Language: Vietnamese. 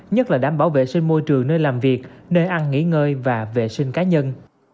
nhất là đảm bảo vệ sinh môi trường nơi làm việc nơi ăn nghỉ ngơi và vệ sinh cá nhân